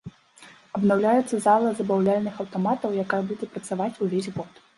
Абнаўляецца зала забаўляльных аўтаматаў, якая будзе працаваць увесь год.